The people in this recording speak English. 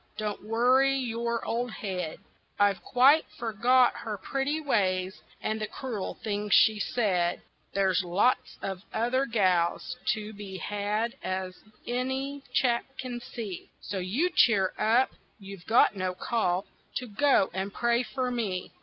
Don't worry your old head, I've quite forgot her pretty ways and the cruel things she said, There's lots of other gals to be had as any chap can see, So you cheer up, you've got no call to go and pray for me.